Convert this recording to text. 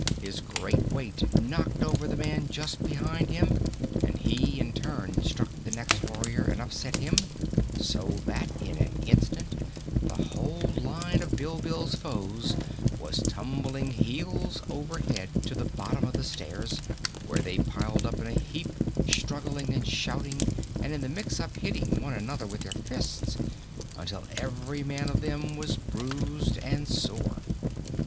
His great weight knocked over the man just behind him and he in turn struck the next warrior and upset him, so that in an instant the whole line of Bilbil's foes was tumbling heels over head to the bottom of the stairs, where they piled up in a heap, struggling and shouting and in the mixup hitting one another with their fists, until every man of them was bruised and sore.